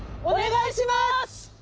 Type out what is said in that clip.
お願いします！